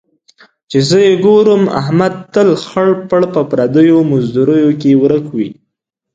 چې زه یې ګورم، احمد تل خړ پړ په پردیو مزدوریو کې ورک وي.